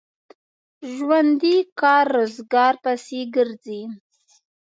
ژوندي کار روزګار پسې ګرځي